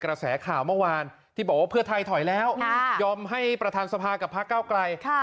กระแสข่าวเมื่อวานที่บอกว่าเพื่อไทยถอยแล้วยอมให้ประธานสภากับพระเก้าไกล